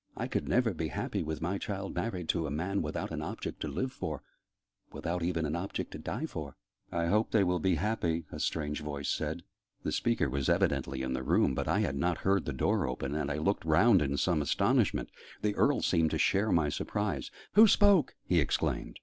I could never be happy with my child married to a man without an object to live for without even an object to die for!" "I hope they will be happy," a strange voice said. The speaker was evidently in the room, but I had not heard the door open, and I looked round in some astonishment. The Earl seemed to share my surprise. "Who spoke?" he exclaimed.